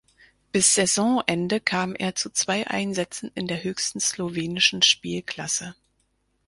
Bis Saisonende kam er zu zwei Einsätzen in der höchsten slowenischen Spielklasse.